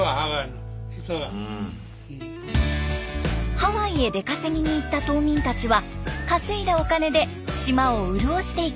ハワイへ出稼ぎに行った島民たちは稼いだお金で島を潤していきました。